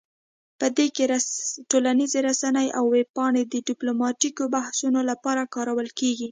په دې کې ټولنیز رسنۍ او ویب پاڼې د ډیپلوماتیکو بحثونو لپاره کارول کیږي